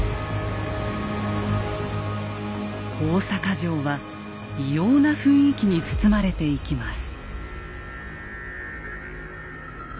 大坂城は異様な雰囲気に包まれていきます。